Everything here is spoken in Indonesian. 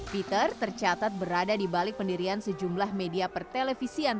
peter tercatat berada di balik pendirian sejumlah media pertelevisian